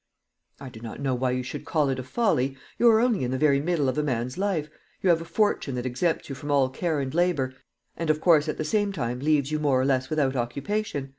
"I do not know why you should call it a folly. You are only in the very middle of a man's life; you have a fortune that exempts you from all care and labour, and of course at the same time leaves you more or less without occupation.